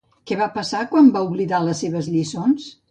Què va passar quan van oblidar les seves lliçons?